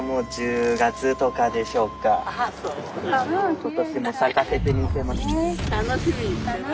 今年も咲かせてみせます。